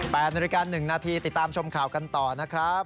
ไปอันดับริการ๑นาทีติดตามชมข่าวกันต่อนะครับ